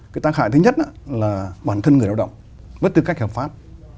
cái tác hại thứ nhất là bản thân người lao động mất tư cách hợp pháp